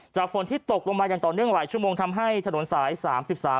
ฝนที่ตกลงมาอย่างต่อเนื่องหลายชั่วโมงทำให้ถนนสายสามสิบสาม